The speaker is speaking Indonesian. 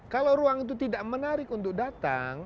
kalau ruang itu tidak menarik untuk datang